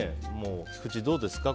菊地、どうですか？